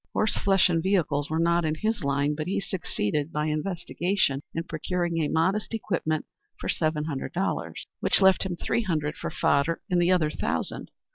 Horse flesh and vehicles were not in his line, but he succeeded by investigation in procuring a modest equipment for seven hundred dollars, which left him three hundred for fodder, and the other thousand.